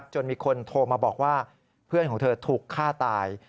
จนมีคนโทรมาบอกว่าเพื่อนของเธอถูกฆ่าตาย